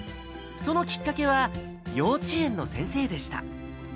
そのきっかけは、幼稚園の先生でした。